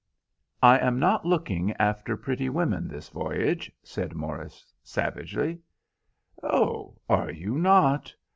"I am not looking after pretty women this voyage," said Morris, savagely. "Oh, are you not?